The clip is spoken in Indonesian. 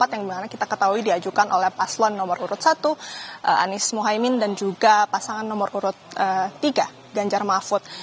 yang dimana kita ketahui diajukan oleh paslon nomor urut satu anies mohaimin dan juga pasangan nomor urut tiga ganjar mahfud